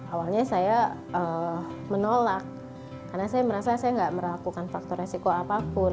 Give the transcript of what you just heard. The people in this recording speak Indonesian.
awalnya saya menolak karena saya merasa saya tidak melakukan faktor resiko apapun